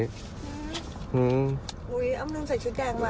อ้ำนึงใส่ชุดแดงว่